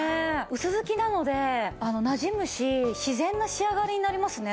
薄付きなのでなじむし自然な仕上がりになりますね。